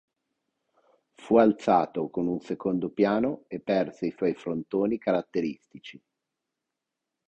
Fu alzato con un secondo piano e perse i suoi frontoni caratteristici.